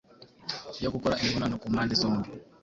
yo gukora imibonano kumpande zombi